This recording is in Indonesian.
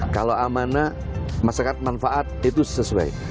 kalau amanah masyarakat manfaat itu sesuai